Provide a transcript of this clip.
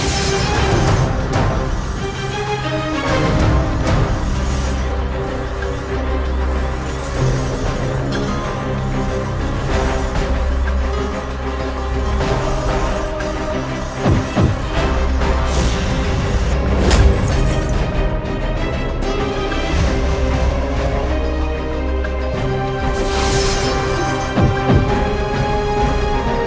kau sudah berusaha berdamai dengan